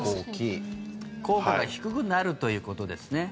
効果が低くなるということですね。